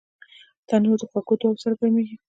تنور د خوږو دعاوو سره ګرمېږي